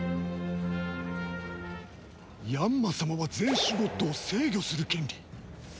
ヤンマ様は全シュゴッドを制御する権利。